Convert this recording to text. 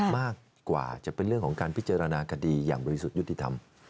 มากกว่าจะเป็นเรื่องของการพิจารณาคดีอย่างบริสุทธิ์ยุติธรรม